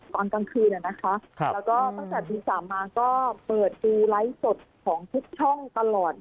ตอนกลางคืนนะคะแล้วก็ตั้งแต่ตี๓มาก็เปิดดูไลฟ์สดของทุกช่องตลอด